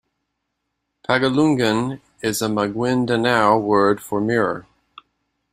"Pagalungan" is a Maguindanao word for "mirror".